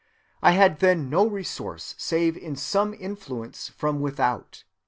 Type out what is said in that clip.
I had then no resource save in some influence from without.